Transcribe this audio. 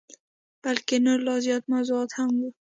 بلکه نور لا زیات موضوعات هم وه.